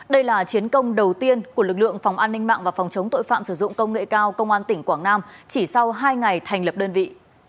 đây là chiến công đầu tiên của lực lượng phòng an ninh mạng và phòng chống tội phạm sử dụng công nghệ cao công an tỉnh quảng nam chỉ sau hai ngày thành lập đơn vị